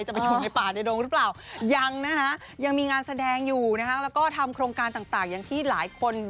จะไปอยู่ในป่าในโดงหรือเปล่า